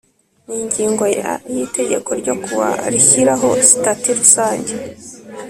N ingingo ya y itegeko ryo ku wa rishyiraho sitati rusange